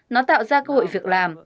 nó tạo ra cơ hội việc làm